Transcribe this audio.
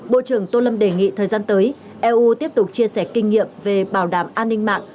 bộ trưởng tô lâm đề nghị thời gian tới eu tiếp tục chia sẻ kinh nghiệm về bảo đảm an ninh mạng